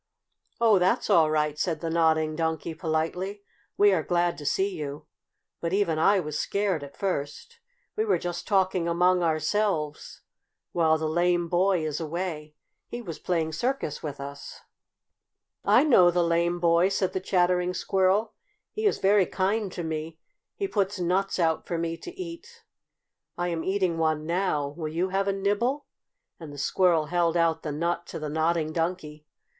"Oh, that's all right," said the Nodding Donkey politely. "We are glad to see you. But even I was scared, at first. We were just talking among ourselves while the lame boy is away. He was playing circus with us." [Illustration: "We Are Glad to See You," Said the Nodding Donkey. Page 73] "I know the lame boy," said the Chattering Squirrel. "He is very kind to me. He puts nuts out for me to eat. I am eating one now. Will you have a nibble?" and the squirrel held out the nut to the Nodding Donkey.